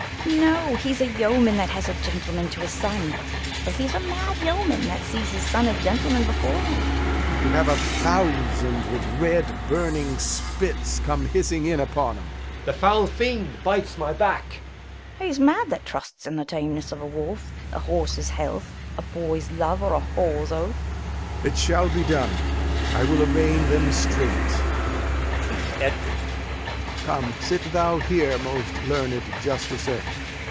Fool. No, he's a yeoman that has a gentleman to his son; for he's a mad yeoman that sees his son a gentleman before him. Lear. To have a thousand with red burning spits Come hizzing in upon 'em Edg. The foul fiend bites my back. Fool. He's mad that trusts in the tameness of a wolf, a horse's health, a boy's love, or a whore's oath. Lear. It shall be done; I will arraign them straight. [To Edgar] Come, sit thou here, most learned justicer.